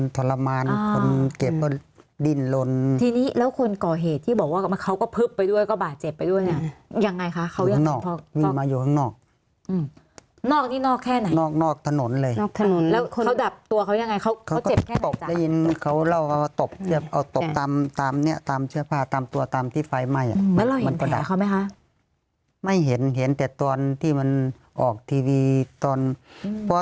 ทรมานคนเจ็บก็ดิ้นลนทีนี้แล้วคนก่อเหตุที่บอกว่าเขาก็พึบไปด้วยก็บาดเจ็บไปด้วยเนี่ยยังไงคะเขายังนอกมีมาอยู่ข้างนอกอืมนอกนี่นอกแค่ไหนนอกนอกถนนเลยนอกถนนแล้วคนเขาดับตัวเขายังไงเขาเขาเจ็บแค่ตบได้ยินเขาเล่าว่าตบเอาตบตามตามเนี้ยตามเสื้อผ้าตามตัวตามที่ไฟไหม้อ่ะแล้วมันก็ดับเขาไหมคะไม่เห็นเห็นแต่ตอนที่มันออกทีวีตอนพอ